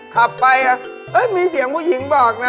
ขับไปมีเสียงผู้หญิงบอกนะ